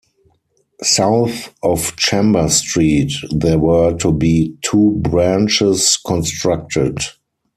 South of Chambers Street, there were to be two branches constructed.